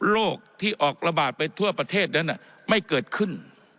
โรคที่ออกระบาดไปทั่วประเทศนั้นไม่เกิดขึ้น